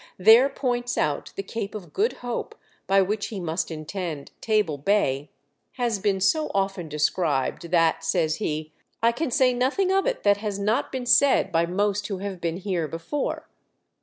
there points out, the Cape of Good Hope, by which he must intend Table Bay, has been so often described, that, says he, " I can say nothing of it that has not been said by most who have been here before."